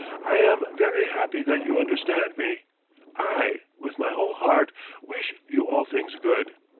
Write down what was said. "I am very happy that you understand me! I, with my whole heart, wish you all things good.